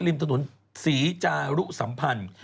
ริมถนนศรีจารุสัมพันธ์